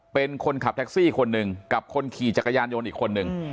เป็นคนขับแท็กซี่คนหนึ่งกับคนขี่จักรยานยนต์อีกคนนึง